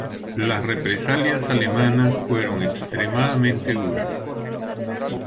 Las represalias alemanas fueron extremadamente duras.